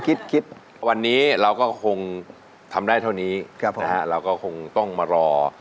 คิดคิดวันนี้เราก็คงทำได้เท่านี้เราก็คงต้องมารอ